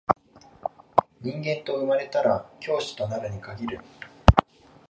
人間と生まれたら教師となるに限る